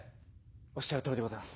おっしゃるとおりでございます。